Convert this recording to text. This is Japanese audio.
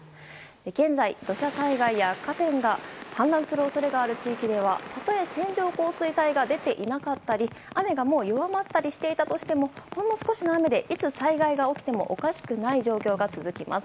現在、土砂災害や河川が氾濫する恐れがある地域ではたとえ、線状降水帯が出ていなかったり雨がもう弱まったりしていたとしてもほんの少しの雨でいつ災害が起きてもおかしくない状況が続きます。